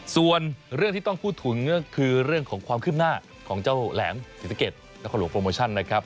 ส่วนเรื่องที่ต้องพูดถึงก็คือเรื่องของความคืบหน้าของเจ้าแหลมศรีสะเกดนครหลวงโปรโมชั่นนะครับ